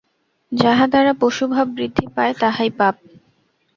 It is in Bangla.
যাহা দ্বারা পশুভাব বৃদ্ধি পায়, তাহাই পাপ।